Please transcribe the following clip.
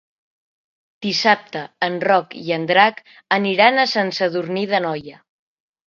Dissabte en Roc i en Drac aniran a Sant Sadurní d'Anoia.